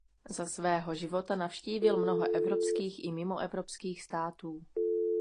Za svého života navštívil mnoho evropských i mimoevropských států.